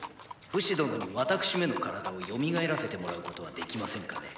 フシ殿に私めの体を蘇らせてもらうことはできませんかね？